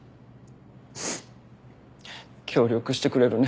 ううっ協力してくれるね？